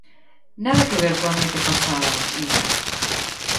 Nada que ver coa noite pasada, Iria.